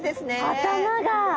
頭が！